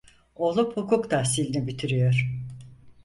Oğlum hukuk tahsilini bitiriyor!